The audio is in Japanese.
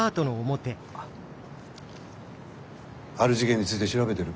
ある事件について調べてる。